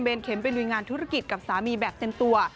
เข็มไปลุยงานธุรกิจกับสามีแบบเต็มตัว